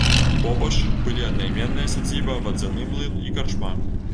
Побач былі аднайменная сядзіба, вадзяны млын і карчма.